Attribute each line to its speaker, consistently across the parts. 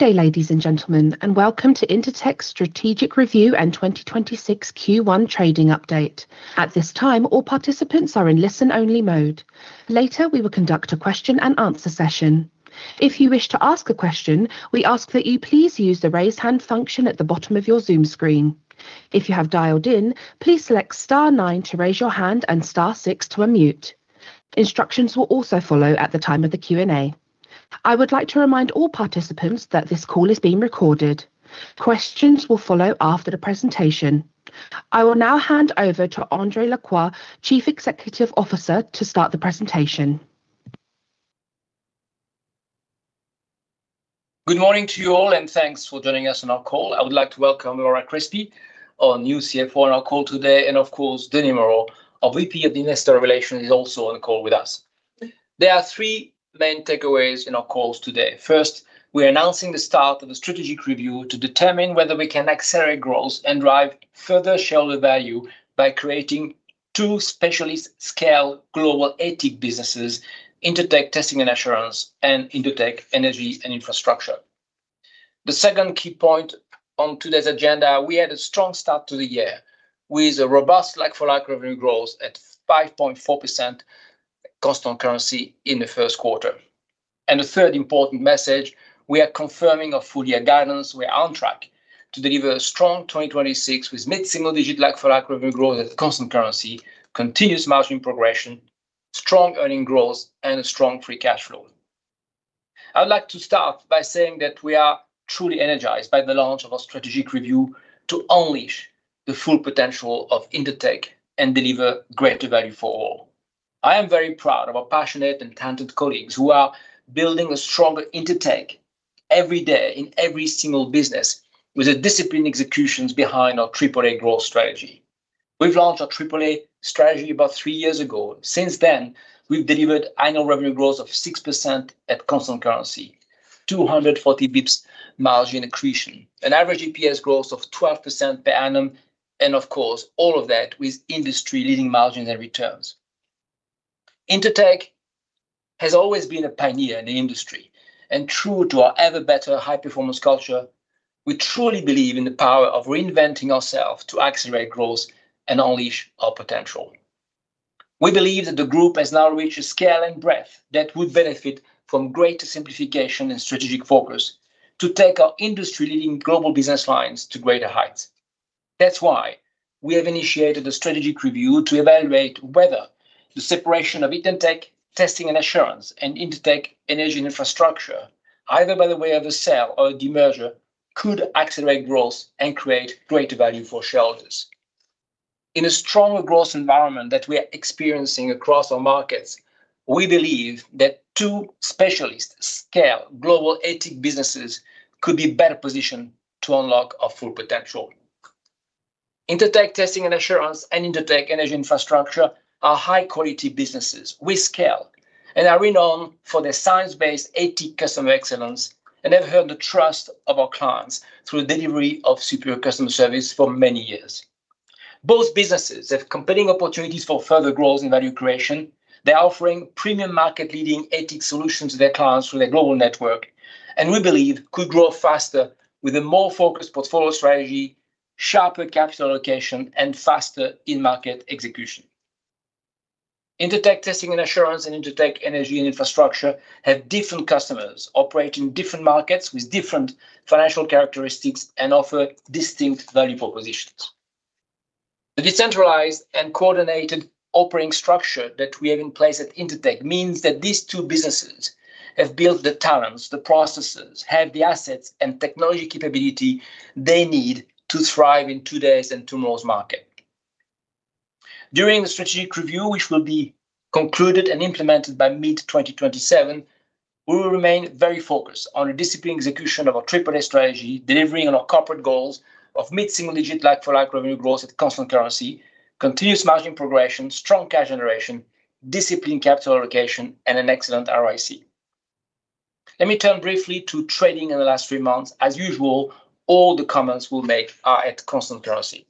Speaker 1: Good day, ladies and gentlemen, and welcome to Intertek's strategic review and 2026 Q1 trading update. At this time, all participants are in listen-only mode. Later, we will conduct a question and answer session. If you wish to ask a question, we ask that you please use the raise hand function at the bottom of your Zoom screen. If you have dialed in, please select star nine to raise your hand and star six to unmute. Instructions will also follow at the time of the Q&A. I would like to remind all participants that this call is being recorded. Questions will follow after the presentation. I will now hand over to André Lacroix, Chief Executive Officer, to start the presentation.
Speaker 2: Good morning to you all. Thanks for joining us on our call. I would like to welcome Laura Crespi, our new CFO, on our call today. Of course, Denis Moreau, our VP of Investor Relations, is also on the call with us. There are three main takeaways in our calls today. First, we're announcing the start of a strategic review to determine whether we can accelerate growth and drive further shareholder value by creating two specialist scale global ATIC businesses, Intertek Testing & Assurance, and Intertek Energy & Infrastructure. The second key point on today's agenda, we had a strong start to the year with a robust like-for-like revenue growth at 5.4% constant currency in the first quarter. The third important message, we are confirming our full-year guidance. We are on track to deliver a strong 2026 with mid-single-digit like-for-like revenue growth at constant currency, continuous margin progression, strong earning growth, and a strong free cash flow. I would like to start by saying that we are truly energized by the launch of our strategic review to unleash the full potential of Intertek and deliver greater value for all. I am very proud of our passionate and talented colleagues who are building a stronger Intertek every day in every single business with a disciplined executions behind our AAA growth strategy. We've launched our AAA strategy about three years ago. Since then, we've delivered annual revenue growth of 6% at constant currency, 240 basis points margin accretion, an average EPS growth of 12% per annum, and of course, all of that with industry-leading margins and returns. Intertek has always been a pioneer in the industry, and true to our Ever Better high-performance culture, we truly believe in the power of reinventing ourselves to accelerate growth and unleash our potential. We believe that the Group has now reached a scale and breadth that would benefit from greater simplification and strategic focus to take our industry-leading global business lines to greater heights. That's why we have initiated a strategic review to evaluate whether the separation of Intertek Testing & Assurance and Intertek Energy & Infrastructure, either by way of a sale or a demerger, could accelerate growth and create greater value for shareholders. In a stronger growth environment that we are experiencing across our markets, we believe that two specialist scale global ATIC businesses could be better positioned to unlock our full potential. Intertek Testing & Assurance andIntertek Energy & Infrastructure are high-quality businesses with scale and are renowned for their science-based ATIC customer excellence and have earned the trust of our clients through delivery of superior customer service for many years. Both businesses have compelling opportunities for further growth and value creation. They are offering premium market-leading ATIC solutions to their clients through their global network, and we believe could grow faster with a more focused portfolio strategy, sharper capital allocation, and faster in-market execution. Intertek Testing & Assurance and Intertek Energy & Infrastructure have different customers, operate in different markets with different financial characteristics and offer distinct value propositions. The decentralized and coordinated operating structure that we have in place at Intertek means that these two businesses have built the talents, the processes, have the assets and technology capability they need to thrive in today's and tomorrow's market. During the strategic review, which will be concluded and implemented by mid-2027, we will remain very focused on the disciplined execution of our AAA strategy, delivering on our corporate goals of mid-single-digit like-for-like revenue growth at constant currency, continuous margin progression, strong cash generation, disciplined capital allocation, and an excellent ROIC. Let me turn briefly to trading in the last 3 months. As usual, all the comments we'll make are at constant currency.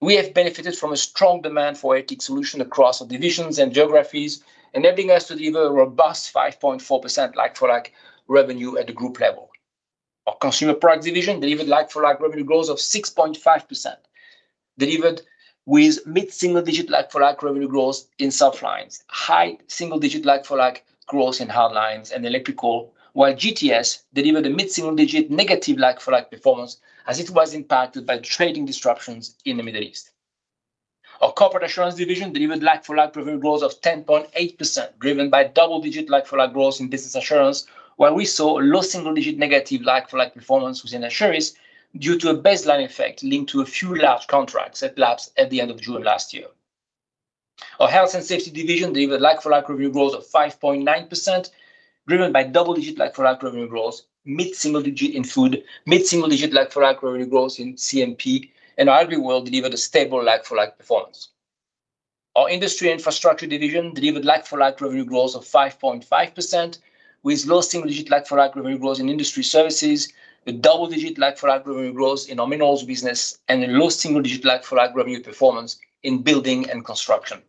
Speaker 2: We have benefited from a strong demand for ATIC solution across our divisions and geographies, enabling us to deliver a robust 5.4% like-for-like revenue at the group level. Our consumer products division delivered like-for-like revenue growth of 6.5%, delivered with mid-single-digit like-for-like revenue growth in softlines, high single-digit like-for-like growth in hardlines and electrical, while GTS delivered a mid-single-digit negative like-for-like performance as it was impacted by trading disruptions in the Middle East. Our Corporate Assurance division delivered like-for-like revenue growth of 10.8%, driven by double-digit like-for-like growth in Business Assurance, while we saw a low single-digit negative like-for-like performance within Assurance due to a baseline effect linked to a few large contracts that lapsed at the end of June last year. Our Health & Safety division delivered like-for-like revenue growth of 5.9%, driven by double-digit like-for-like revenue growth, mid-single digit in Food, mid-single digit like-for-like revenue growth in CMP, and AgriWorld delivered a stable like-for-like performance. Our Industry & Infrastructure division delivered like-for-like revenue growth of 5.5%, with low single-digit like-for-like revenue growth in Industry Services, a double-digit like-for-like revenue growth in our Minerals business, and a low single-digit like-for-like revenue performance in Building & Construction.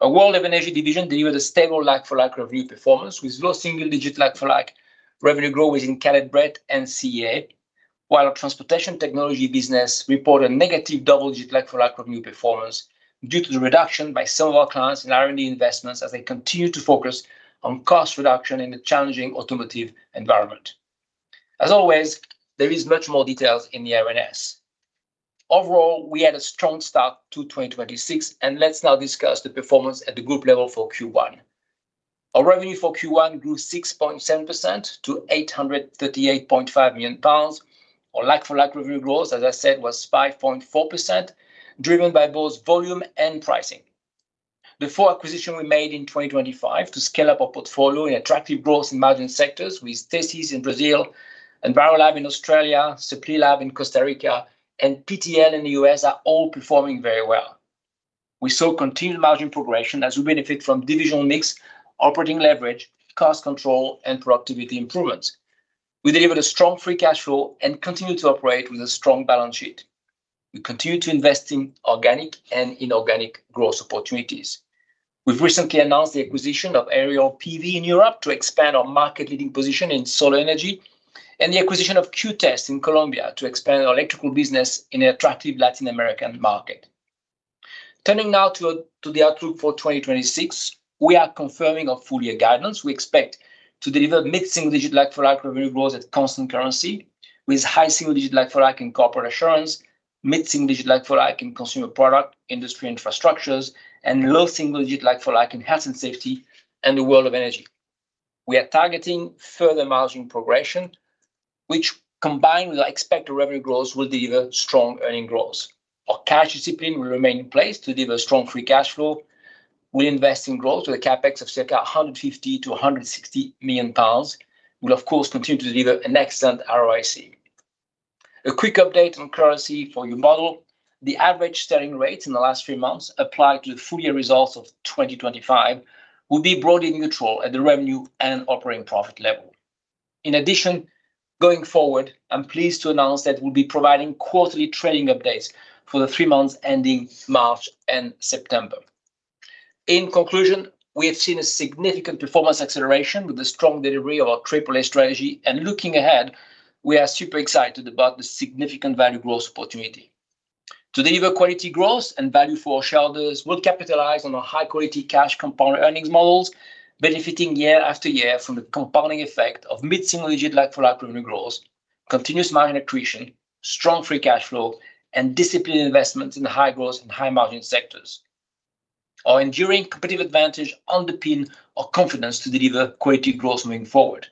Speaker 2: Our World of Energy division delivered a stable like-for-like revenue performance with low single-digit like-for-like revenue growth in Caleb Brett and CEA. While our Transportation Technologies business reported negative double-digit like-for-like revenue performance due to the reduction by some of our clients in R&D investments as they continue to focus on cost reduction in the challenging automotive environment, as always, there is much more details in the RNS. Overall, we had a strong start to 2026, and let's now discuss the performance at the group level for Q1. Our revenue for Q1 grew 6.7% to 838.5 million pounds. Our like-for-like revenue growth, as I said, was 5.4%, driven by both volume and pricing. The four acquisitions we made in 2025 to scale up our portfolio in attractive growth and margin sectors with TESIS in Brazil, Envirolab in Australia, Suplilab in Costa Rica, and PTL in the U.S. are all performing very well. We saw continued margin progression as we benefit from divisional mix, operating leverage, cost control, and productivity improvements. We delivered a strong free cash flow and continue to operate with a strong balance sheet. We continue to invest in organic and inorganic growth opportunities. We've recently announced the acquisition of AePVI in Europe to expand our market-leading position in solar energy and the acquisition of QTEST in Colombia to expand our electrical business in attractive Latin American market. Turning now to the outlook for 2026. We are confirming our full-year guidance. We expect to deliver mid-single-digit like-for-like revenue growth at constant currency with high-single-digit like-for-like in Corporate Assurance, mid-single-digit like-for-like in Consumer Products, Industry & Infrastructure, and low-single-digit like-for-like in Health & Safety and the World of Energy. We are targeting further margin progression, which, combined with our expected revenue growth, will deliver strong earnings growth. Our cash discipline will remain in place to deliver strong free cash flow. We'll invest in growth with a CapEx of circa 150 million-160 million pounds. We'll, of course, continue to deliver an excellent ROIC. A quick update on currency for your model. The average sterling rates in the last three months applied to the full-year results of 2025 will be broadly neutral at the revenue and operating profit level. In addition, going forward, I'm pleased to announce that we'll be providing quarterly trading updates for the 3 months ending March and September. In conclusion, we have seen a significant performance acceleration with the strong delivery of our AAA strategy, and looking ahead, we are super excited about the significant value growth opportunity. To deliver quality growth and value for our shareholders, we'll capitalize on our high-quality cash compound earnings models, benefiting year after year from the compounding effect of mid-single-digit like-for-like revenue growth, continuous margin accretion, strong free cash flow, and disciplined investment in high-growth and high-margin sectors. Our enduring competitive advantage underpin our confidence to deliver quality growth moving forward.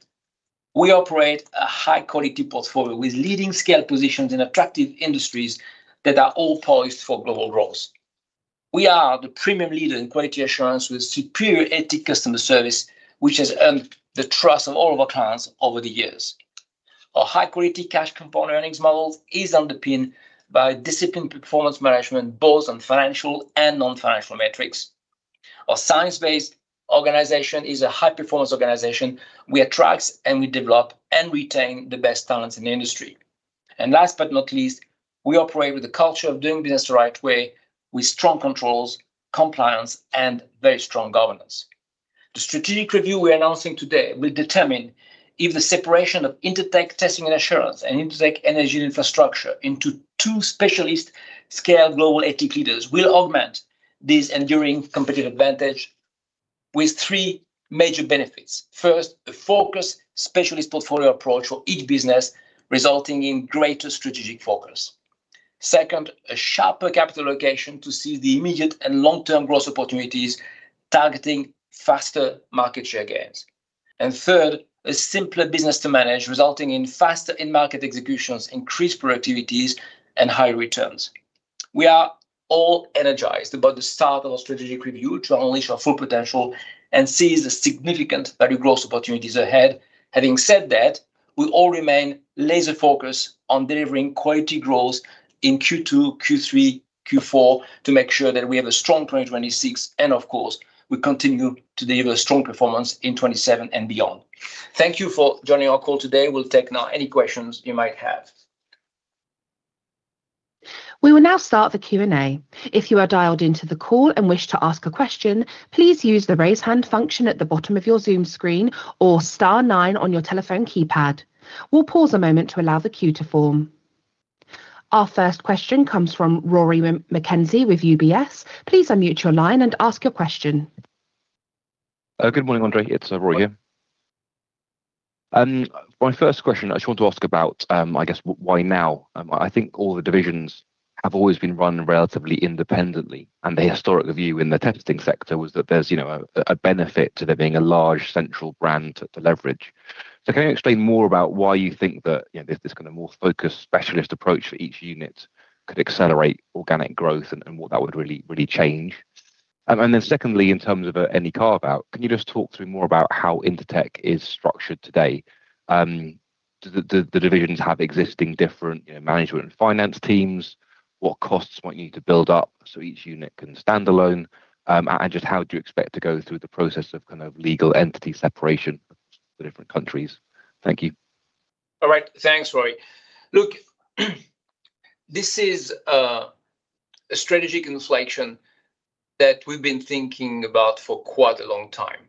Speaker 2: We operate a high-quality portfolio with leading scale positions in attractive industries that are all poised for global growth. We are the premium leader in quality assurance with superior ATIC customer service, which has earned the trust of all of our clients over the years. Our high-quality cash compound earnings model is underpinned by disciplined performance management both on financial and non-financial metrics. Our science-based organization is a high-performance organization. We attract and we develop and retain the best talents in the industry. Last but not least, we operate with a culture of doing business the right way with strong controls, compliance, and very strong governance. The strategic review we're announcing today will determine if the separation of Intertek Testing and Assurance and Intertek Energy and Infrastructure into two specialist scale global ATIC leaders will augment this enduring competitive advantage with three major benefits. First, a focused specialist portfolio approach for each business, resulting in greater strategic focus. Second, a sharper capital allocation to seize the immediate and long-term growth opportunities, targeting faster market share gains. Third, a simpler business to manage, resulting in faster in-market executions, increased productivities, and higher returns. We are all energized about the start of our strategic review to unleash our full potential and seize the significant value growth opportunities ahead. Having said that, we'll all remain laser-focused on delivering quality growth in Q2, Q3, Q4 to make sure that we have a strong 2026, and of course, we continue to deliver strong performance in 2027 and beyond. Thank you for joining our call today. We'll take now any questions you might have.
Speaker 1: We will now start the Q&A. If you are dialed into the call and wish to ask a question, please use the raise hand function at the bottom of your Zoom screen or star nine on your telephone keypad. We'll pause a moment to allow the queue to form. Our first question comes from Rory McKenzie with UBS. Please unmute your line and ask your question.
Speaker 3: Good morning, André. It's Rory here. My first question I just want to ask about, I guess why now? I think all the divisions have always been run relatively independently, and the historic view in the testing sector was that there's a benefit to there being a large central brand to leverage. Can you explain more about why you think that this kind of more focused specialist approach for each unit could accelerate organic growth and what that would really change? Secondly, in terms of any carve-out, can you just talk through more about how Intertek is structured today? Do the divisions have existing different management and finance teams? What costs might you need to build up so each unit can stand alone? Just how do you expect to go through the process of legal entity separation for different countries? Thank you.
Speaker 2: All right. Thanks, Rory. Look, this is a strategic inflection that we've been thinking about for quite a long time.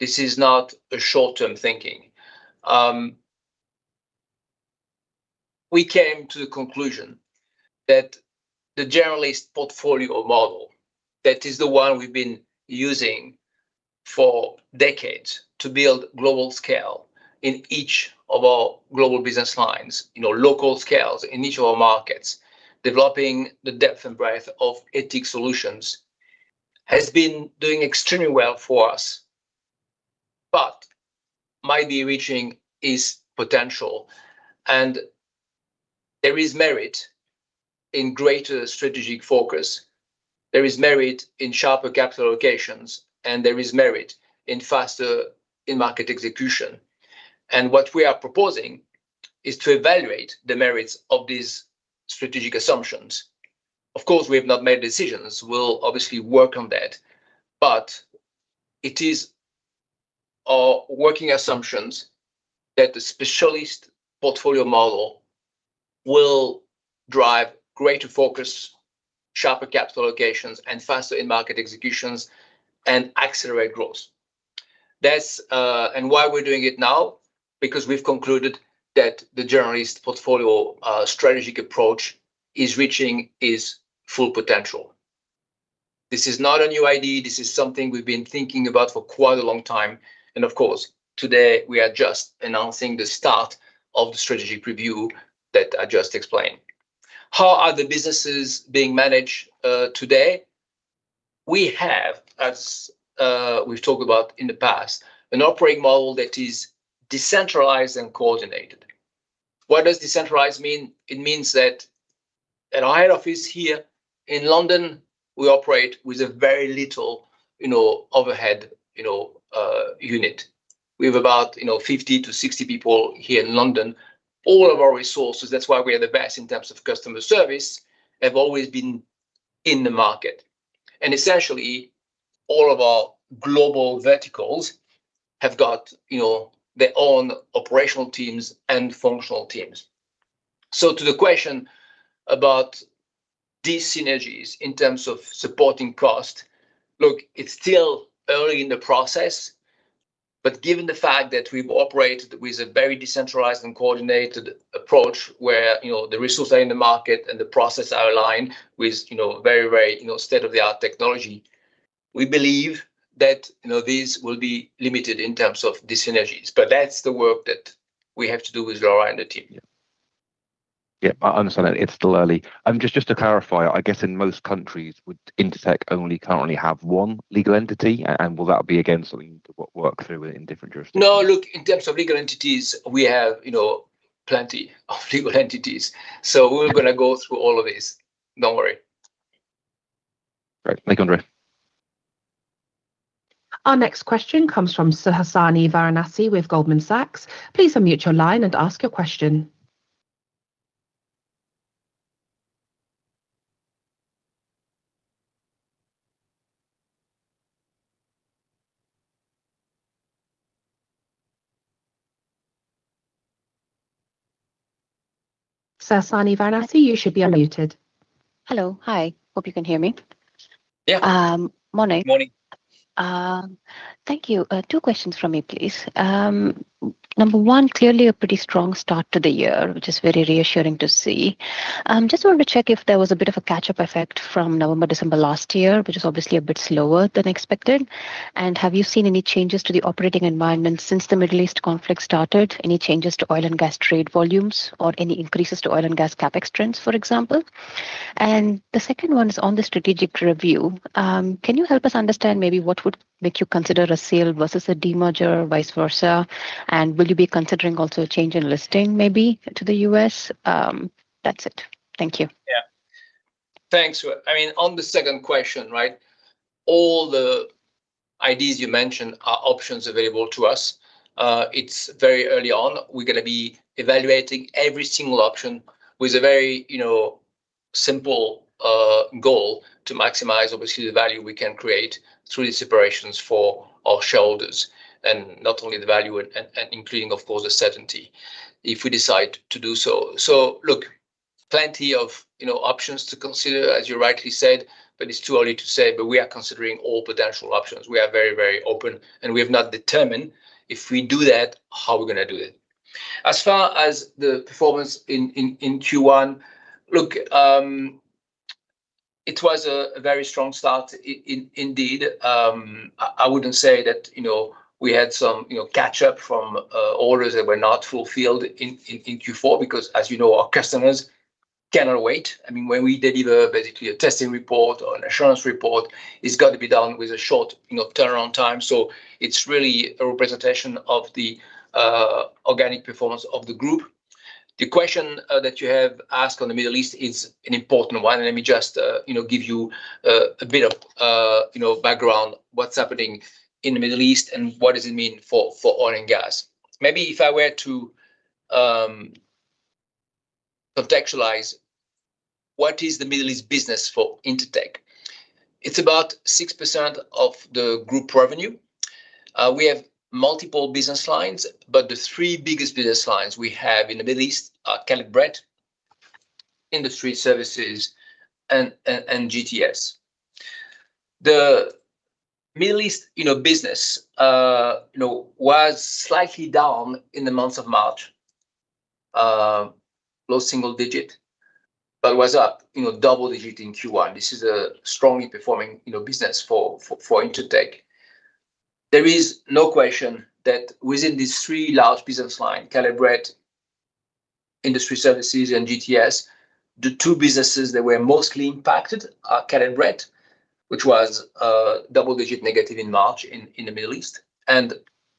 Speaker 2: This is not a short-term thinking. We came to the conclusion that the generalist portfolio model, that is the one we've been using for decades to build global scale in each of our global business lines, local scales in each of our markets, developing the depth and breadth of IT solutions, has been doing extremely well for us, but might be reaching its potential, and there is merit in greater strategic focus. There is merit in sharper capital allocations, and there is merit in faster in-market execution. What we are proposing is to evaluate the merits of these strategic assumptions. Of course, we have not made decisions. We'll obviously work on that. It is our working assumptions that the specialist portfolio model will drive greater focus, sharper capital allocations, and faster in-market executions, and accelerate growth. Why we're doing it now, because we've concluded that the generalist portfolio strategic approach is reaching its full potential. This is not a new idea. This is something we've been thinking about for quite a long time. Of course, today we are just announcing the start of the strategy preview that I just explained. How are the businesses being managed today? We have, as we've talked about in the past, an operating model that is decentralized and coordinated. What does decentralized mean? It means that at our head office here in London, we operate with a very little overhead unit. We have about 50-60 people here in London. All of our resources, that's why we are the best in terms of customer service, have always been in the market. Essentially, all of our global verticals have got their own operational teams and functional teams. To the question about these synergies in terms of supporting cost, look, it's still early in the process, but given the fact that we operate with a very decentralized and coordinated approach where the resources are in the market and the process are aligned with very state-of-the-art technology, we believe that these will be limited in terms of dyssynergies. That's the work that we have to do with Laura and the team.
Speaker 3: Yeah. I understand that it's still early. Just to clarify, I guess in most countries, would Intertek only currently have one legal entity? Will that be, again, something to work through in different jurisdictions?
Speaker 2: No, look, in terms of legal entities, we have plenty of legal entities. We're going to go through all of this. Don't worry.
Speaker 3: Great. Thank you, André.
Speaker 1: Our next question comes from Suhasini Varanasi with Goldman Sachs. Please unmute your line and ask your question. Suhasini Varanasi, you should be unmuted.
Speaker 4: Hello. Hi. I hope you can hear me.
Speaker 2: Yeah.
Speaker 4: Morning.
Speaker 2: Morning.
Speaker 4: Thank you. Two questions from me, please. Number one, clearly a pretty strong start to the year, which is very reassuring to see. Just wanted to check if there was a bit of a catch-up effect from November, December last year, which is obviously a bit slower than expected. Have you seen any changes to the operating environment since the Middle East conflict started? Any changes to oil and gas trade volumes or any increases to oil and gas CapEx trends, for example? The second one is on the strategic review. Can you help us understand maybe what would make you consider a sale versus a demerger or vice versa? Will you be considering also a change in listing, maybe, to the U.S.? That's it. Thank you.
Speaker 2: Yeah. Thanks. On the second question, right, all the ideas you mentioned are options available to us. It's very early on. We're going to be evaluating every single option with a very simple goal to maximize, obviously, the value we can create through the separations for our shareholders, not only the value, and including, of course, the certainty if we decide to do so. Look, plenty of options to consider, as you rightly said, but it's too early to say. We are considering all potential options. We are very open, and we have not determined if we do that, how we're going to do it. As far as the performance in Q1, look, it was a very strong start indeed. I wouldn't say that we had some catch-up from orders that were not fulfilled in Q4 because, as you know, our customers cannot wait. When we deliver basically a testing report or an assurance report, it's got to be done with a short turnaround time. It's really a representation of the organic performance of the Group. The question that you have asked on the Middle East is an important one, and let me just give you a bit of background what's happening in the Middle East and what does it mean for oil and gas. Maybe if I were to contextualize what is the Middle East business for Intertek. It's about 6% of the Group revenue. We have multiple business lines, but the three biggest business lines we have in the Middle East are Caleb Brett, Industry Services, and GTS. The Middle East business was slightly down in the month of March, low single digit, but was up double digit in Q1. This is a strongly performing business for Intertek. There is no question that within these three large business lines, Caleb Brett, Industry Services, and GTS. The two businesses that were mostly impacted are Caleb Brett, which was double-digit negative in March in the Middle East, and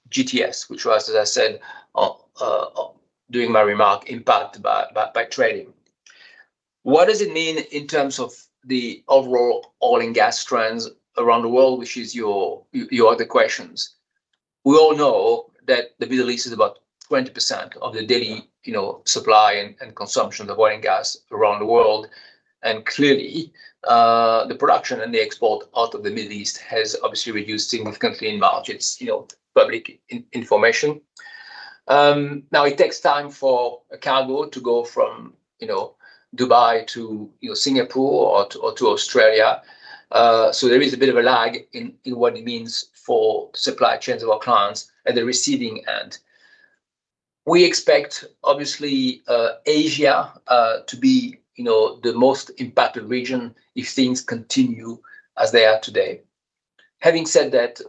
Speaker 2: GTS, which was, as I said during my remark, impacted by trading. What does it mean in terms of the overall oil and gas trends around the world, which is your other questions? We all know that the Middle East is about 20% of the daily supply and consumption of oil and gas around the world. Clearly, the production and the export out of the Middle East has obviously reduced significantly in March. It's public information. Now, it takes time for a cargo to go from Dubai to Singapore or to Australia. There is a bit of a lag in what it means for supply chains of our clients at the receiving end. We expect, obviously, Asia to be the most impacted region if things continue as they are today. Having said that,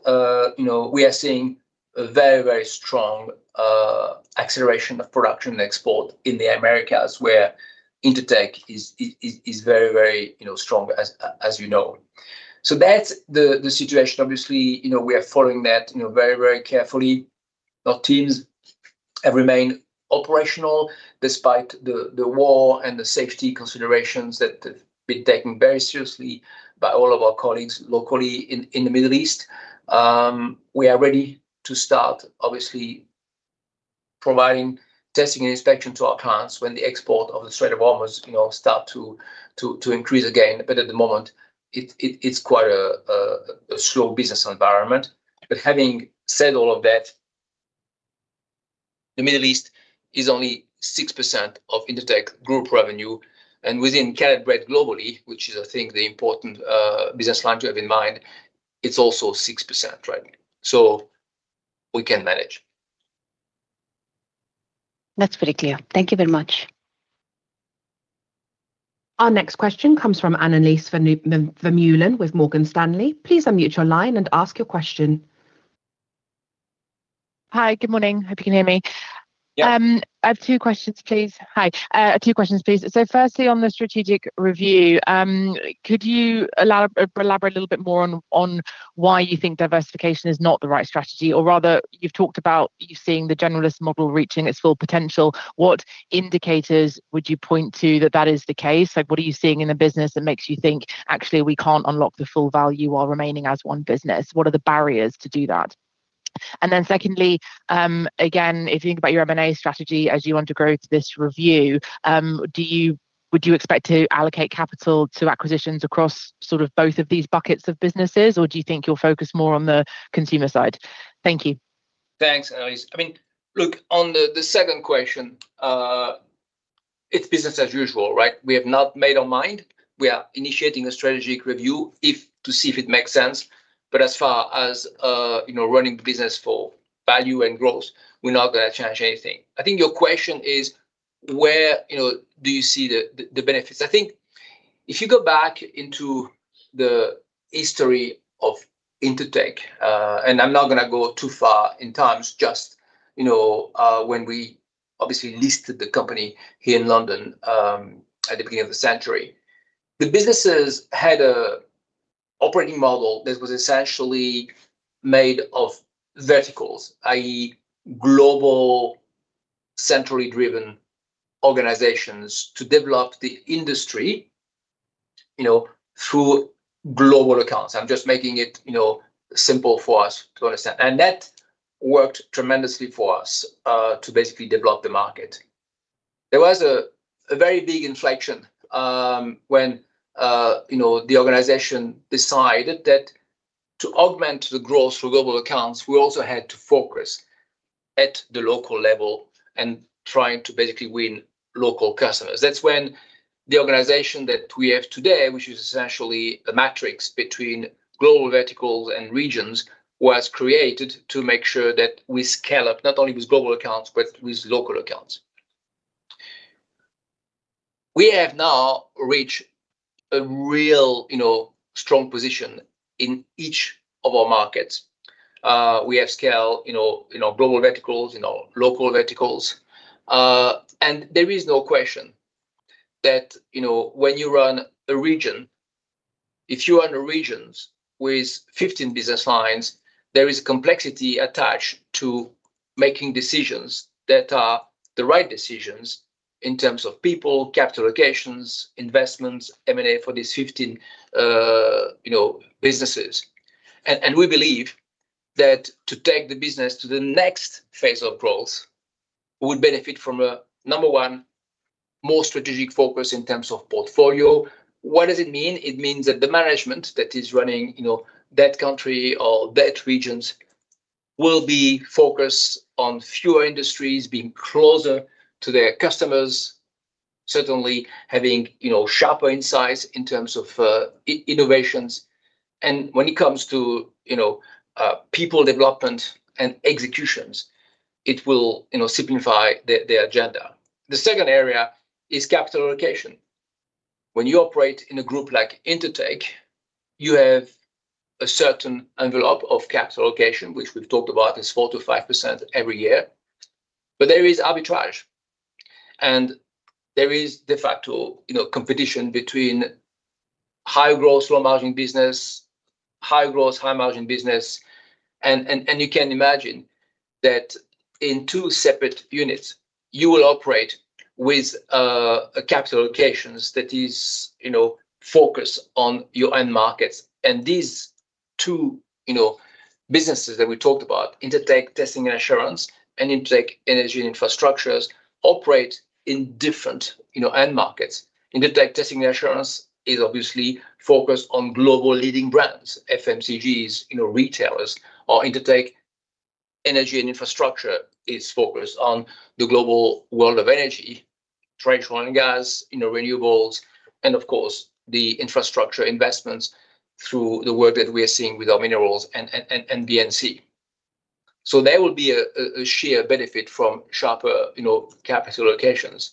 Speaker 2: we are seeing a very strong acceleration of production and export in the Americas, where Intertek is very strong as you know. That's the situation. Obviously, we are following that very carefully. Our teams have remained operational despite the war and the safety considerations that have been taken very seriously by all of our colleagues locally in the Middle East. We are ready to start obviously providing testing and inspection to our clients when the export of the Strait of Hormuz start to increase again. At the moment, it's quite a slow business environment. Having said all of that, the Middle East is only 6% of Intertek Group revenue, and within Caleb Brett globally, which is, I think, the important business line to have in mind, it's also 6% revenue. We can manage.
Speaker 4: That's pretty clear. Thank you very much.
Speaker 1: Our next question comes from Annelies Vermeulen with Morgan Stanley. Please unmute your line and ask your question.
Speaker 5: Hi. Good morning. I hope you can hear me.
Speaker 2: Yeah.
Speaker 5: I have two questions, please. Hi. Two questions, please. Firstly, on the strategic review, could you elaborate a little bit more on why you think diversification is not the right strategy? Rather, you've talked about you seeing the generalist model reaching its full potential. What indicators would you point to that that is the case? What are you seeing in the business that makes you think, actually, we can't unlock the full value while remaining as one business? What are the barriers to do that? Secondly, again, if you think about your M&A strategy as you undergo this review, would you expect to allocate capital to acquisitions across sort of both of these buckets of businesses, or do you think you'll focus more on the consumer side? Thank you.
Speaker 2: Thanks, Annelies. Look, on the second question, it's business as usual, right? We have not made our mind. We are initiating a strategic review to see if it makes sense. As far as running the business for value and growth, we're not going to change anything. I think your question is where do you see the benefits? I think if you go back into the history of Intertek, and I'm not going to go too far in times, just when we obviously listed the company here in London, at the beginning of the century. The businesses had an operating model that was essentially made of verticals, i.e., global centrally driven organizations to develop the industry through global accounts. I'm just making it simple for us to understand. That worked tremendously for us to basically develop the market. There was a very big inflection when the organization decided that to augment the growth through global accounts, we also had to focus at the local level and trying to basically win local customers. That's when the organization that we have today, which is essentially a matrix between global verticals and regions, was created to make sure that we scale up, not only with global accounts, but with local accounts. We have now reached a real strong position in each of our markets. We have scale, global verticals, local verticals. There is no question that when you run a region, if you run regions with 15 business lines, there is complexity attached to making decisions that are the right decisions in terms of people, capital allocations, investments, M&A for these 15 businesses. We believe that to take the business to the next phase of growth would benefit from a, number one, more strategic focus in terms of portfolio. What does it mean? It means that the management that is running that country or that regions will be focused on fewer industries, being closer to their customers, certainly having sharper insights in terms of innovations. When it comes to people development and executions, it will simplify their agenda. The second area is capital allocation. When you operate in a group like Intertek, you have a certain envelope of capital allocation, which we've talked about is 4%-5% every year. There is arbitrage, and there is de facto competition between high-growth, low-margin business, high-growth, high-margin business. You can imagine that in two separate units, you will operate with capital allocations that is focused on your end markets. These two businesses that we talked about, Intertek Testing & Assurance and Intertek Energy & Infrastructure, operate in different end markets. Intertek Testing & Assurance is obviously focused on global leading brands, FMCGs, retailers. While Intertek Energy & Infrastructure is focused on the global world of energy, traditional gas, renewables, and of course, the infrastructure investments through the work that we are seeing with our minerals and B&C. There will be a sheer benefit from sharper capital allocations.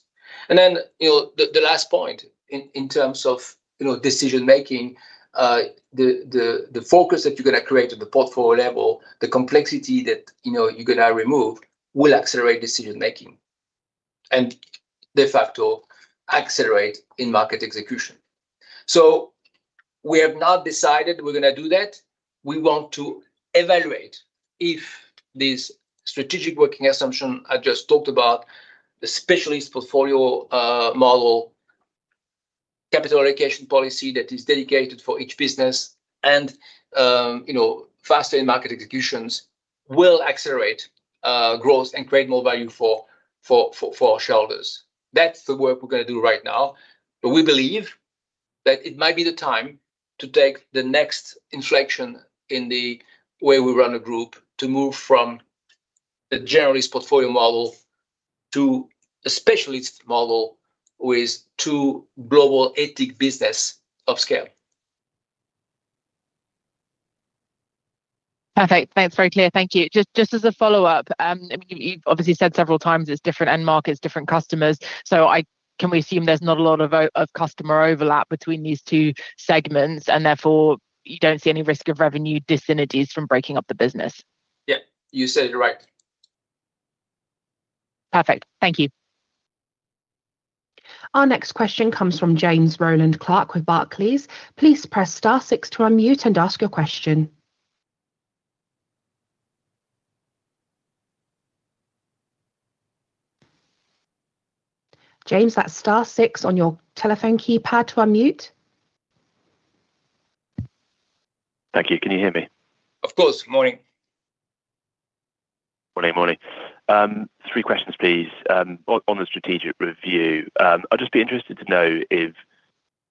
Speaker 2: The last point in terms of decision-making, the focus that you're going to create at the portfolio level, the complexity that you're going to remove will accelerate decision-making and de facto accelerate in-market execution. We have not decided we're going to do that. We want to evaluate if this strategic working assumption I just talked about, the specialist portfolio model, capital allocation policy that is dedicated for each business, and faster in-market executions will accelerate growth and create more value for our shareholders. That's the work we're going to do right now, but we believe that it might be the time to take the next inflection in the way we run the Group to move from the generalist portfolio model to a specialist model with two global ATIC business of scale.
Speaker 5: Perfect. Thanks. Very clear. Thank you. Just as a follow-up, you've obviously said several times it's different end markets, different customers. Can we assume there's not a lot of customer overlap between these two segments and therefore you don't see any risk of revenue dissynergies from breaking up the business?
Speaker 2: Yeah, you said it right.
Speaker 5: Perfect. Thank you.
Speaker 1: Our next question comes from James Rowland Clark with Barclays. Please press star six to unmute and ask your question. James, that's star six on your telephone keypad to unmute.
Speaker 6: Thank you. Can you hear me?
Speaker 2: Of course. Good morning.
Speaker 6: Morning. Three questions, please. On the strategic review, I'd just be interested to know if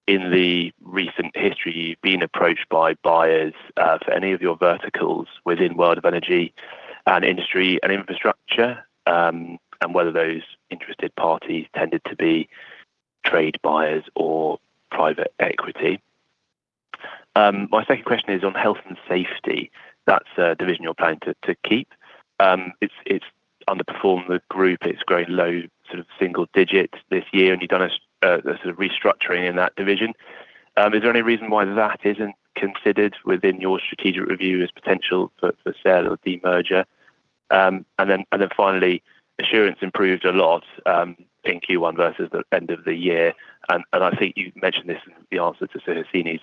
Speaker 6: in the recent history, you've been approached by buyers for any of your verticals within World of Energy and Industry & Infrastructure, and whether those interested parties tended to be trade buyers or private equity. My second question is on Health & Safety. That's a division you're planning to keep. It's underperformed the Group. It's grown low single digit this year, and you've done a restructuring in that division. Is there any reason why that isn't considered within your strategic review as potential for sale or de-merger? Finally, Assurance improved a lot in Q1 versus the end of the year. I think you mentioned this in the answer to Suhasini's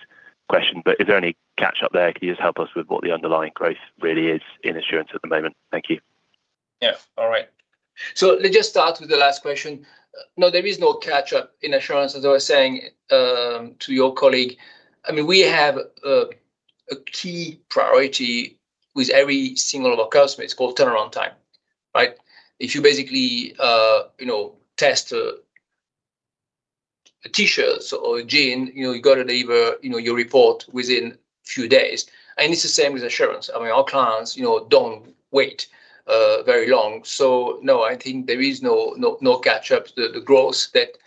Speaker 6: question, but is there any catch-up there? Can you just help us with what the underlying growth really is in Assurance at the moment? Thank you.
Speaker 2: Yeah. All right. Let's just start with the last question. No, there is no catch-up in Assurance. As I was saying to your colleague, we have a key priority with every single of our customers called turnaround time. Right? If you basically test a T-shirt or a jean, you got to deliver your report within few days. It's the same with Assurance. Our clients don't wait very long. No, I think there is no catch-up. The growth that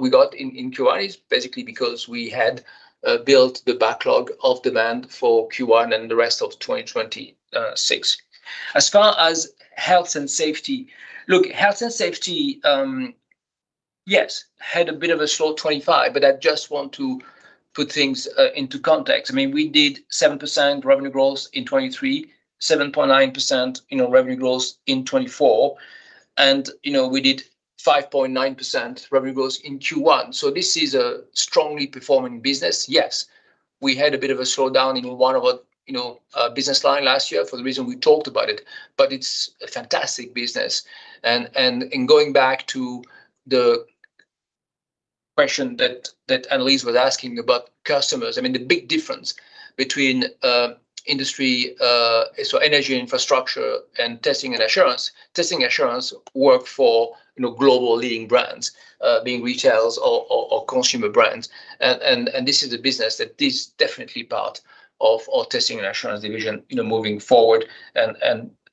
Speaker 2: we got in Q1 is basically because we had built the backlog of demand for Q1 and the rest of 2026. As far as Health & Safety, look, Health & Safety, yes, had a bit of a slow 2025, but I just want to put things into context. We did 7% revenue growth in 2023, 7.9% revenue growth in 2024, and we did 5.9% revenue growth in Q1. This is a strongly performing business. Yes, we had a bit of a slowdown in one of our business line last year for the reason we talked about it, but it's a fantastic business. In going back to the question that Annelies was asking about customers, the big difference between Industry, so Energy & Infrastructure and Testing & Assurance, Testing & Assurance work for global leading brands, being retails or consumer brands. This is a business that is definitely part of our Testing & Assurance division moving forward.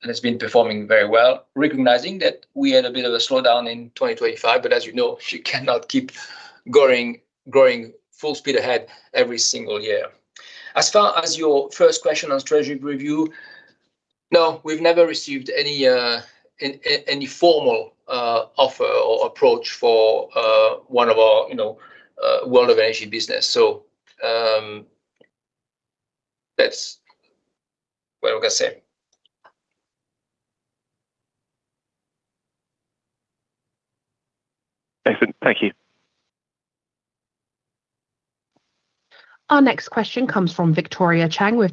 Speaker 2: It's been performing very well, recognizing that we had a bit of a slowdown in 2025, but as you know, you cannot keep growing full speed ahead every single year. As far as your first question on strategic review, no, we've never received any formal offer or approach for one of our World of Energy business. That's what I've got to say.
Speaker 6: Excellent. Thank you.
Speaker 1: Our next question comes from Victoria Chang with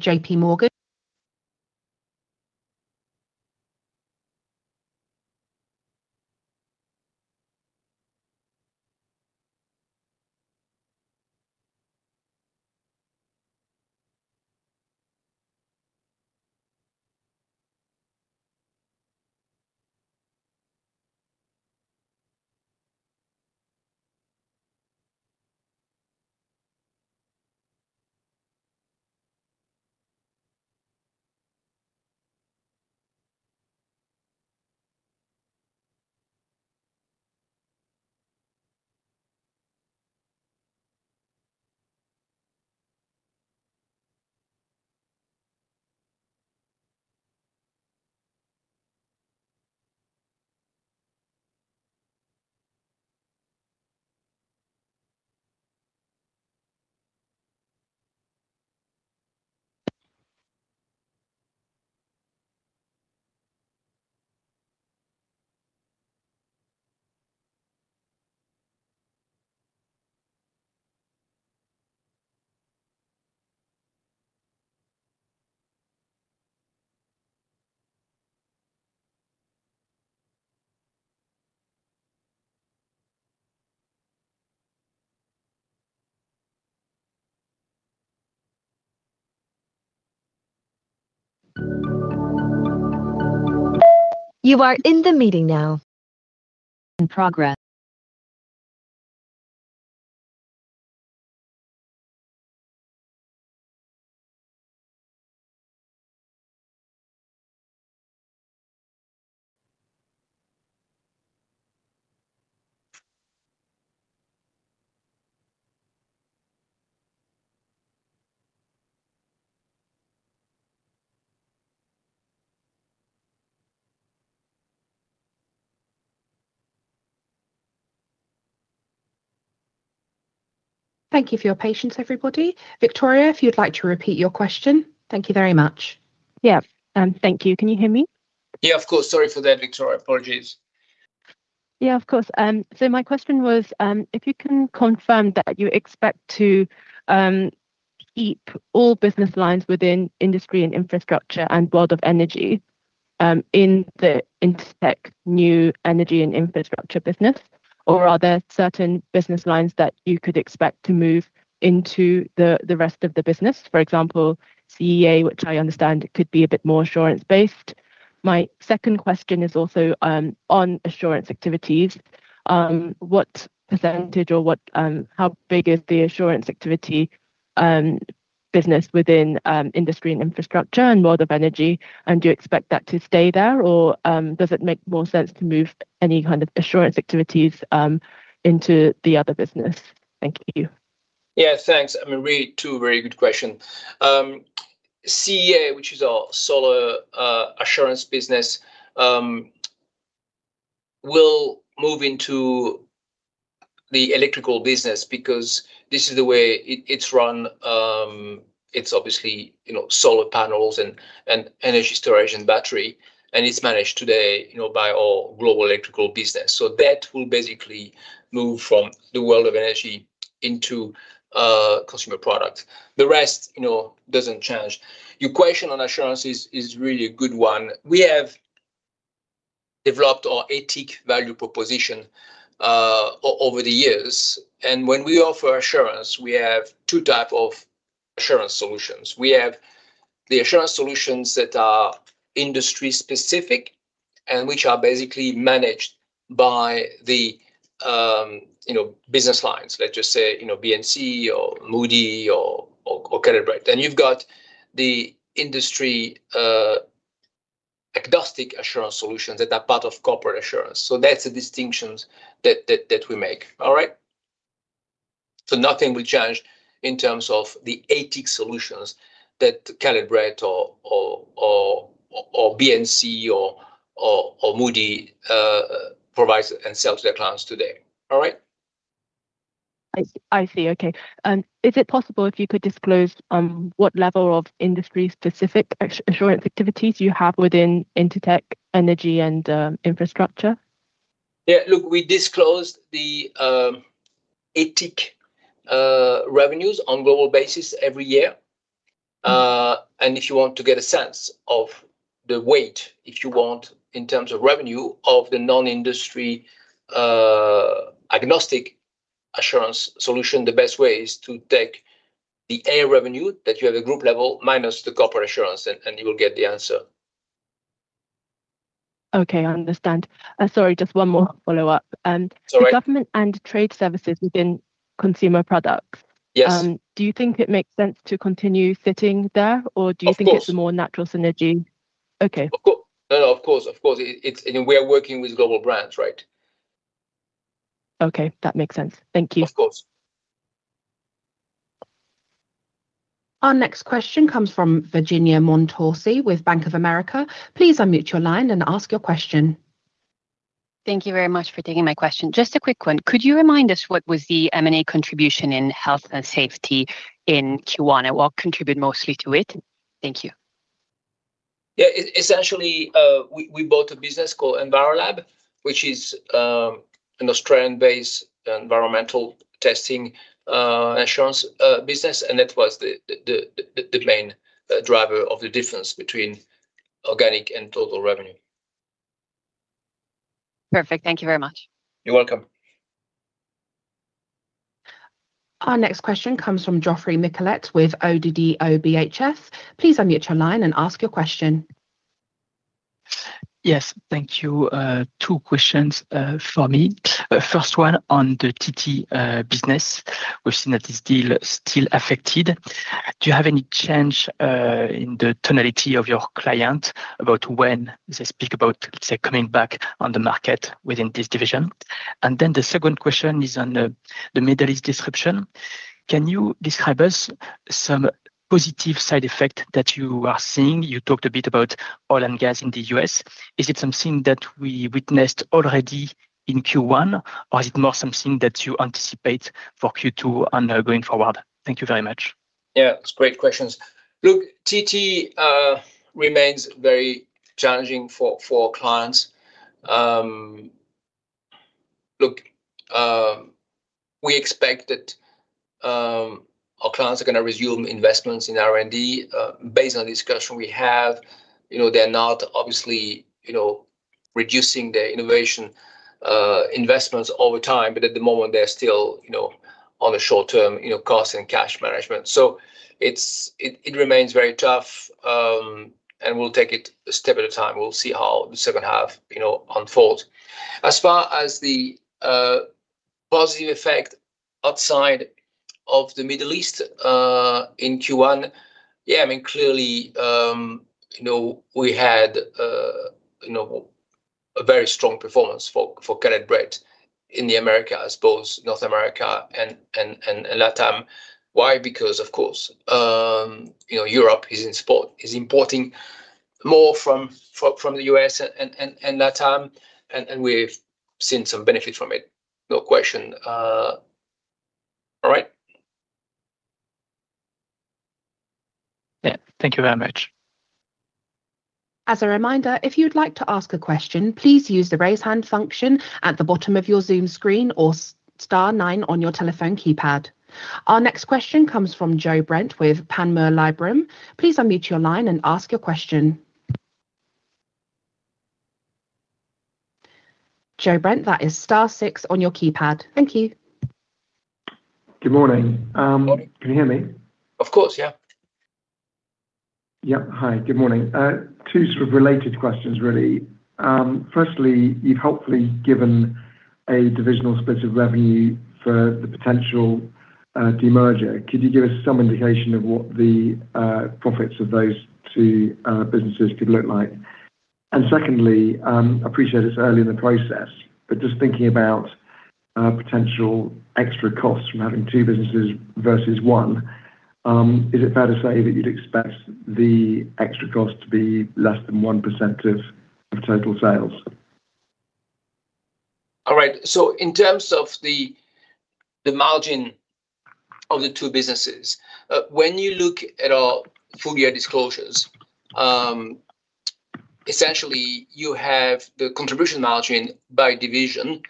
Speaker 1: J.P. Morgan. Thank you for your patience, everybody. Victoria, if you'd like to repeat your question. Thank you very much.
Speaker 7: Yeah. Thank you. Can you hear me?
Speaker 2: Yeah, of course. Sorry for that, Victoria. Apologies.
Speaker 7: Yeah, of course. My question was if you can confirm that you expect to keep all business lines within Industry & Infrastructure and World of Energy in the Intertek new Energy & Infrastructure business, or are there certain business lines that you could expect to move into the rest of the business, for example, CEA, which I understand could be a bit more Assurance-based. My second question is also on Assurance activities. What percentage or how big is the Assurance activity business within Industry & Infrastructure and World of Energy? Do you expect that to stay there or does it make more sense to move any kind of Assurance activities into the other business? Thank you.
Speaker 2: Yeah, thanks. Really two very good question. CEA, which is our solar assurance business, will move into the electrical business because this is the way it's run. It's obviously solar panels and energy storage and battery, and it's managed today by our global electrical business. That will basically move from the World of Energy into Consumer Products. The rest doesn't change. Your question on assurance is really a good one. We have developed our ATIC value proposition over the years, and when we offer assurance, we have two type of assurance solutions. We have the assurance solutions that are industry specific and which are basically managed by the business lines. Let's just say B&C or Moody or Caleb Brett. You've got the industry agnostic assurance solutions that are part of Corporate Assurance. That's the distinctions that we make. All right? Nothing will change in terms of the ATIC solutions that Caleb Brett or B&C or Moody provides and sells to their clients today. All right?
Speaker 7: I see. Okay. Is it possible if you could disclose what level of industry-specific Assurance activities you have within Intertek Energy & Infrastructure?
Speaker 2: Yeah. Look, we disclose the ATIC revenues on global basis every year. If you want to get a sense of the weight, if you want, in terms of revenue of the non-industry agnostic Assurance solution, the best way is to take the Assurance revenue that you have at Group level, minus the Corporate Assurance, and you will get the answer.
Speaker 7: Okay, I understand. Sorry, just one more follow-up.
Speaker 2: It's all right.
Speaker 7: The Government and Trade Services within Consumer Products.
Speaker 2: Yes.
Speaker 7: Do you think it makes sense to continue fitting there?
Speaker 2: Of course.
Speaker 7: It's a more natural synergy? Okay.
Speaker 2: No, of course. We are working with global brands, right?
Speaker 7: Okay. That makes sense. Thank you.
Speaker 2: Of course.
Speaker 1: Our next question comes from Virginia Montorsi with Bank of America. Please unmute your line and ask your question.
Speaker 8: Thank you very much for taking my question. Just a quick one. Could you remind us what was the M&A contribution in Health & Safety in Q1, and what contributed mostly to it? Thank you.
Speaker 2: Yeah. Essentially, we bought a business called Envirolab, which is an Australian-based environmental testing assurance business, and that was the main driver of the difference between organic and total revenue.
Speaker 8: Perfect. Thank you very much.
Speaker 2: You're welcome.
Speaker 1: Our next question comes from Geoffroy Michalet with ODDO BHF. Please unmute your line and ask your question.
Speaker 9: Yes. Thank you. Two questions from me. First one on the TT business. We've seen that this deal is still affected. Do you have any change in the tonality of your client about when they speak about, let's say, coming back on the market within this division? The second question is on the Middle East disruption. Can you describe us some positive side effect that you are seeing? You talked a bit about oil and gas in the U.S. Is it something that we witnessed already in Q1, or is it more something that you anticipate for Q2 and going forward? Thank you very much.
Speaker 2: Yeah, it's great questions. Look, TT remains very challenging for our clients. Look, we expect that our clients are going to resume investments in R&D based on the discussion we have. They're not obviously reducing their innovation investments over time, but at the moment, they're still on a short-term cost and cash management. It remains very tough, and we'll take it a step at a time. We'll see how the second half unfolds. As far as the positive effect outside of the Middle East, in Q1, yeah, clearly, we had a very strong performance for Caleb Brett in the Americas, I suppose North America and LATAM. Why? Because of course, Europe is importing more from the U.S. and LATAM, and we've seen some benefits from it. No question. All right.
Speaker 9: Yeah. Thank you very much.
Speaker 1: As a reminder, if you'd like to ask a question, please use the raise hand function at the bottom of your Zoom screen, or star nine on your telephone keypad. Our next question comes from Joe Brent with Panmure Liberum. Please unmute your line and ask your question. Joe Brent, that is star six on your keypad. Thank you.
Speaker 10: Good morning. Can you hear me?
Speaker 2: Of course. Yeah.
Speaker 10: Yep. Hi, good morning. Two sort of related questions, really. Firstly, you've helpfully given a divisional split of revenue for the potential demerger. Could you give us some indication of what the profits of those two businesses could look like? Secondly, I appreciate it's early in the process, but just thinking about potential extra costs from having two businesses versus one, is it fair to say that you'd expect the extra cost to be less than 1% of total sales?
Speaker 2: All right. In terms of the margin of the two businesses, when you look at our full-year disclosures, essentially you have the contribution margin by division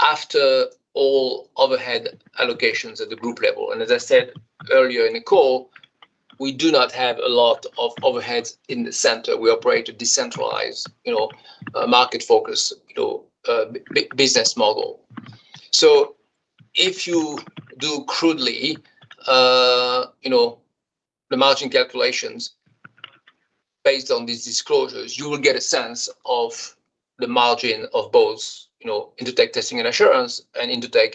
Speaker 2: after all overhead allocations at the Group level. As I said earlier in the call, we do not have a lot of overheads in the center. We operate a decentralized market-focused business model. If you do crudely the margin calculations based on these disclosures, you will get a sense of the margin of both Intertek Testing & Assurance and Intertek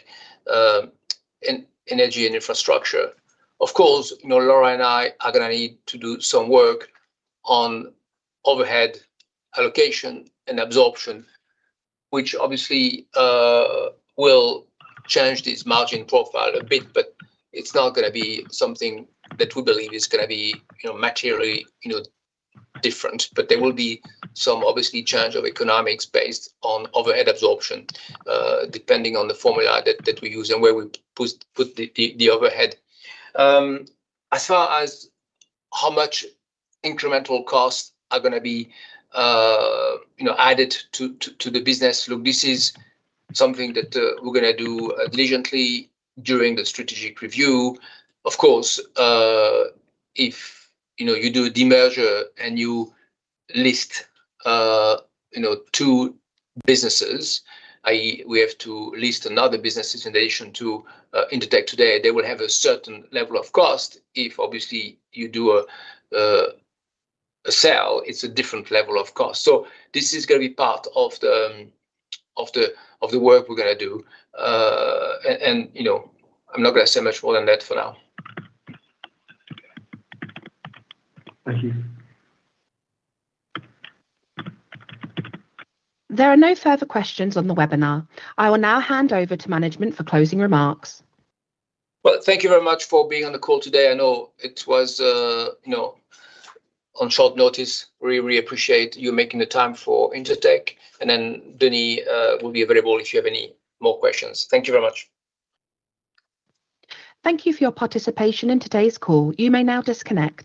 Speaker 2: Energy & Infrastructure. Of course, Laura and I are going to need to do some work on overhead allocation and absorption, which obviously will change this margin profile a bit, but it's not going to be something that we believe is going to be materially different. There will be some, obviously, change of economics based on overhead absorption, depending on the formula that we use and where we put the overhead. As far as how much incremental costs are going to be added to the business, look, this is something that we're going to do diligently during the strategic review. Of course, if you do a demerger and you list two businesses, i.e., we have to list another business in addition to Intertek today, they will have a certain level of cost. If, obviously, you do a sale, it's a different level of cost. This is going to be part of the work we're going to do. I'm not going to say much more than that for now.
Speaker 10: Thank you.
Speaker 1: There are no further questions on the webinar. I will now hand over to Management for closing remarks.
Speaker 2: Well, thank you very much for being on the call today. I know it was on short notice. We really appreciate you making the time for Intertek. Denis will be available if you have any more questions. Thank you very much.
Speaker 1: Thank you for your participation in today's call. You may now disconnect.